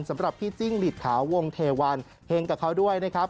สำหรับพี่จิ้งหลีดขาวงเทวันเฮงกับเขาด้วยนะครับ